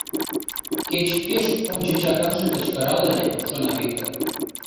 «Кеч пеш ончычак ынже кычкырал ыле», — шона Виктор.